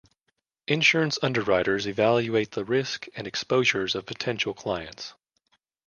Insurance underwriters evaluate the risk and exposures of potential clients.